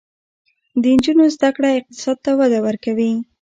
د نجونو زده کړه اقتصاد ته وده ورکوي.